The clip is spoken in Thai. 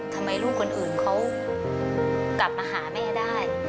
ทำไมลูกคนอื่นเขากลับมาหาแม่ได้